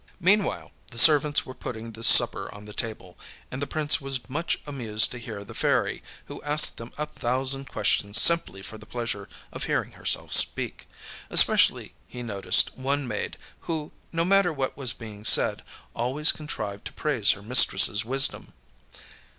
â Meanwhile the servants were putting the supper on the table, and the prince was much amused to hear the Fairy who asked them a thousand questions simply for the pleasure of hearing herself speak; especially he noticed one maid who, no matter what was being said, always contrived to praise her mistressâs wisdom.